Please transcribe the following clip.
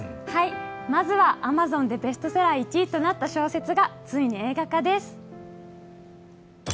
まずはＡｍａｚｏｎでベストセラー１位となった小説がついに映画化です。